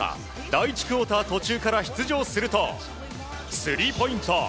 第１クオーター途中から出場するとスリーポイント！